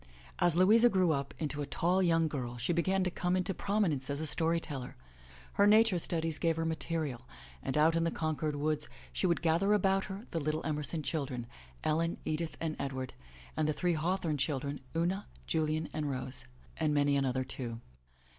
As Louisa grew up into a tall young girl she began to come into prominence as a story teller. Her nature studies gave her material, and out in the Concord woods she would gather about her the little Emerson children, Ellen, Edith and Edward, and the three Haw thorne children, Una, Julian and Rose, and many another, too.